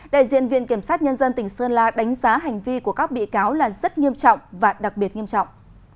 đại diện viện kiểm sát nhân dân tỉnh sơn la đánh giá hành vi của các bị cáo là rất nghiêm trọng và đặc biệt nghiêm trọng